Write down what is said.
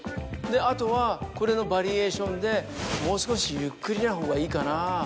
であとはこれのバリエーションでもう少しゆっくりなほうがいいかな？